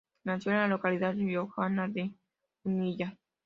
Nació en la localidad riojana de Munilla.